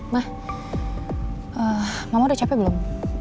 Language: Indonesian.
mah mama udah capek belum